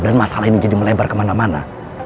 dan masalah ini jadi melebar kemana mana